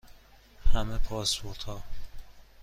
همه پاسپورت ها